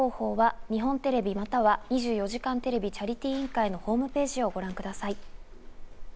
募金方法は日本テレビまたは２４時間テレビチャリティー委員会のホームページをご覧ください。